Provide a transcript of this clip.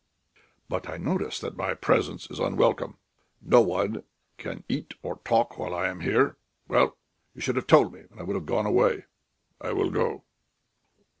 "But I notice that my presence is unwelcome. No one can eat or talk while I am here.... Well, you should have told me, and I would have gone away.... I will go."